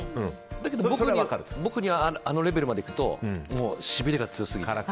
だけど、僕にはあのレベルまで行くとしびれが強すぎて。